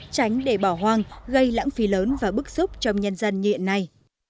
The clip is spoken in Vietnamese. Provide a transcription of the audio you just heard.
tránh để bỏ hoang gây lãng phí lớn và bức xúc trong nhân dân như hiện nay